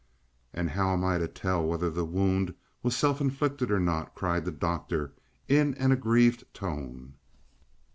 "And how am I to tell whether the wound was self inflicted, or not?" cried the doctor in an aggrieved tone.